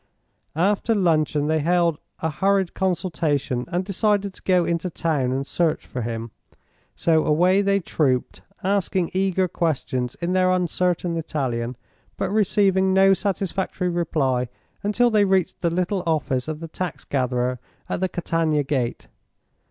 After luncheon they held a hurried consultation and decided to go into town and search for him. So away they trooped, asking eager questions in their uncertain Italian but receiving no satisfactory reply until they reached the little office of the tax gatherer at the Catania Gate.